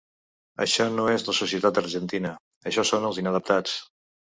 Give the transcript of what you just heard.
Això no és la societat argentina, això són els inadaptats.